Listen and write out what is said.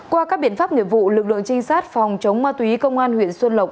qua các biện pháp nghiệp vụ lực lượng trinh sát phòng chống ma túy công an huyện xuân lộc